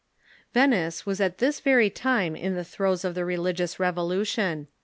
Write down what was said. Venice was at this very time in the throes of the religious revolution.